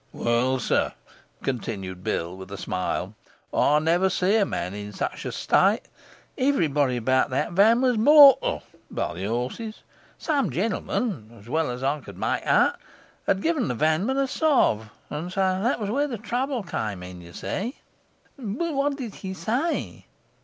Well, sir,' continued Bill, with a smile, 'I never see a man in such a state. Everybody about that van was mortal, bar the horses. Some gen'leman (as well as I could make out) had given the vanman a sov.; and so that was where the trouble come in, you see.' 'But what did he say?